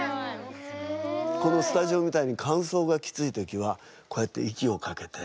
このスタジオみたいにかんそうがきつい時はこうやって息をかけて。